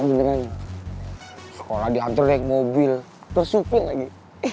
beneran sekolah dianturin mobil terus sufil lagi